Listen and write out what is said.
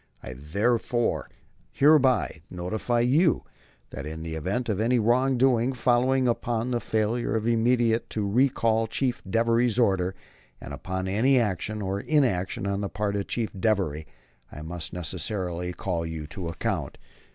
I therefore hereby notify you that in the event of any wrong doing following upon the failure immediately to recall Chief Devery's order, or upon any action or inaction on the part of Chief Devery, I must necessarily call you to account.